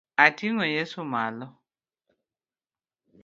Atingo Yeso malo.